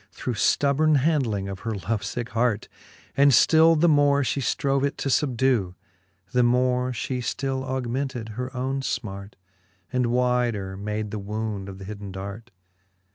Through ftubborne handling of her love ficke hart ; And ftill the more fhe ftrove it to fubdew, The more fhe ftill augmented her owne fmart. And wyder made the wound of th hidden dart.